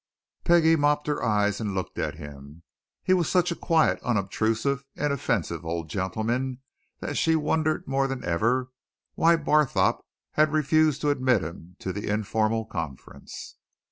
Peggie mopped her eyes and looked at him. He was such a quiet, unobtrusive, inoffensive old gentleman that she wondered more than ever why Barthorpe had refused to admit him to the informal conference.